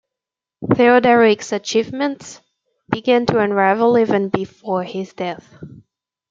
Theoderic's achievements began to unravel even before his death.